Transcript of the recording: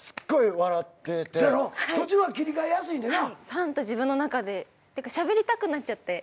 ぱんと自分の中でしゃべりたくなっちゃって。